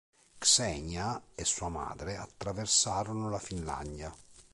Ksenija e sua madre attraversarono la Finlandia.